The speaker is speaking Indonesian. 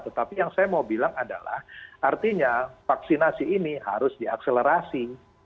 tetapi yang saya mau bilang adalah artinya vaksinasi ini harus diakselerasi